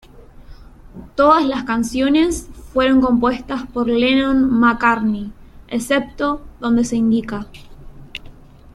Todas las canciones fueron compuestas por Lennon-McCartney, excepto donde se indica.